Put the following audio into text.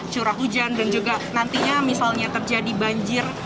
curah hujan dan juga nantinya misalnya terjadi banjir